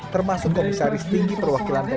termasuk komisaris tinggi perwakilan daerah